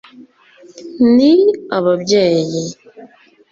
ni ababyeyi